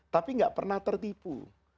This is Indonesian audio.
tapi gak pernah tertipu